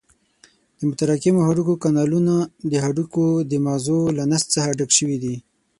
د متراکمو هډوکو کانالونه د هډوکو د مغزو له نسج څخه ډک شوي دي.